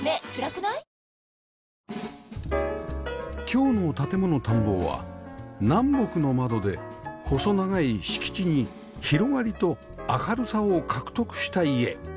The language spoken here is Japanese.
今日の『建もの探訪』は南北の窓で細長い敷地に広がりと明るさを獲得した家